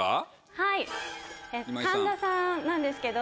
はい神田さんなんですけど。